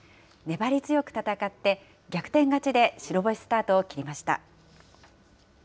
粘り強く戦って、逆転勝ちで白星スタートを切りました。